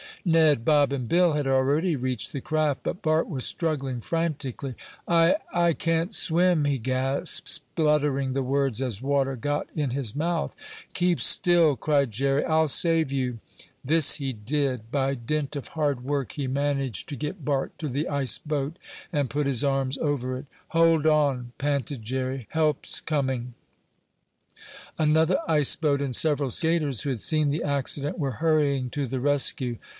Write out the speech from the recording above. Ned, Bob and Bill had already reached the craft, but Bart was struggling frantically. "I I can't swim!" he gasped, spluttering the words as water got in his mouth. "Keep still!" cried Jerry. "I'll save you!" This he did. By dint of hard work he managed to get Bart to the ice boat and put his arms over it. "Hold on!" panted Jerry. "Help's coming." Another ice boat and several skaters who had seen the accident were hurrying to the rescue.